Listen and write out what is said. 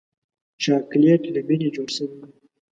چاکلېټ له مینې جوړ شوی وي.